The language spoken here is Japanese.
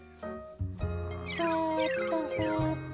そっとそっと。